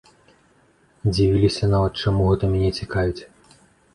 Дзівіліся нават, чаму гэта мяне цікавіць.